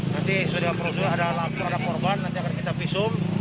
nanti sudah ada korban nanti akan kita visum